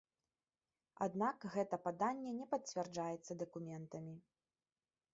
Аднак гэта паданне не пацвярджаецца дакументамі.